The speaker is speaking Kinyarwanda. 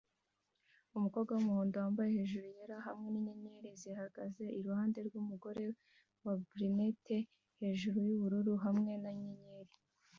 Umukobwa wumuhondo wambaye hejuru yera hamwe ninyenyeri zihagaze iruhande rwumugore wa brunette hejuru yubururu hamwe ninyenyeri